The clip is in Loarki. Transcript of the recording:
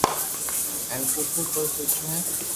ھين سبو ڪوئي سوچو ھي